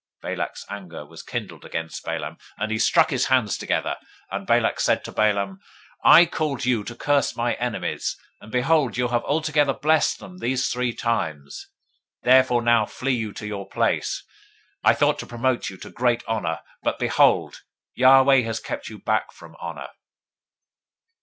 024:010 Balak's anger was kindled against Balaam, and he struck his hands together; and Balak said to Balaam, I called you to curse my enemies, and, behold, you have altogether blessed them these three times. 024:011 Therefore now flee you to your place: I thought to promote you to great honor; but, behold, Yahweh has kept you back from honor.